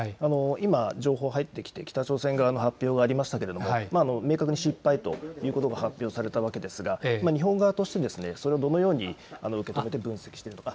今、情報入ってきて、北朝鮮側の発表がありましたけれども、明確な失敗ということが発表されたわけですが、日本側としてですね、それをどのように受け止めて分析しているのか。